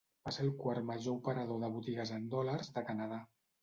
Va ser el quart major operador de botigues en dòlars de Canadà.